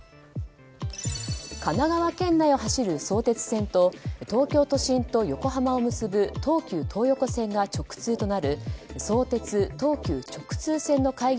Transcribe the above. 神奈川県内を走る相鉄線と東京都心と横浜を結ぶ東急東横線が直通となる相鉄・東急直通線の開業